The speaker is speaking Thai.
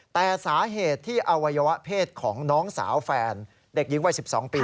แต่สาเหตุที่อวัยวะเพศของน้องสาวแฟนเด็กหญิงวัย๑๒ปี